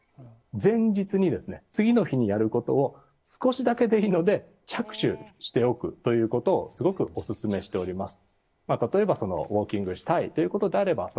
前日に、次の日にやることを少しだけでいいので着手しておくということをすごくオススメしております。